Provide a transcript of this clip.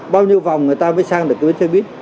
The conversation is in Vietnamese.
bao nhiêu vòng người ta mới sang được cái bến xe buýt